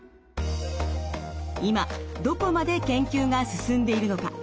今どこまで研究が進んでいるのか。